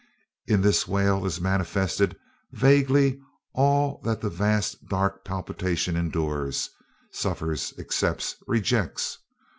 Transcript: In this wail is manifested vaguely all that the vast dark palpitation endures, suffers, accepts, rejects.